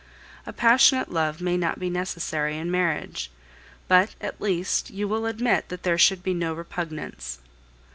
A passionate love may not be necessary in marriage, but, at least, you will admit that there should be no repugnance.